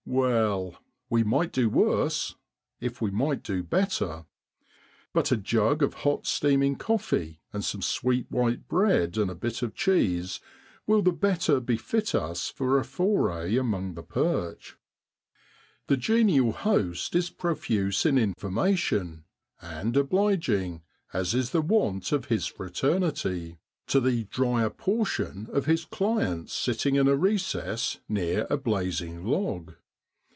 Well, we might do worse, if we might do better. But a jug of hot steaming coffee, and some sweet white bread and a bit of cheese will the better befit us for a foray amongst the perch. The genial host is profuse in information, and obliging, as is the wont of his fraternity, to the STOAT WITH A WOODCOCK. 30 MARCH IN EROADLAND. drier portion of his clients sitting in a recess near a blazing log.